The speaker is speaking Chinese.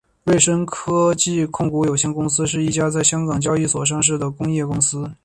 瑞声科技控股有限公司是一家在香港交易所上市的工业公司。